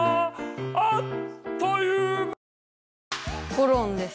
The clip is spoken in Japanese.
ゴロンです。